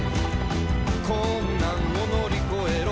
「こんなんをのりこえろ」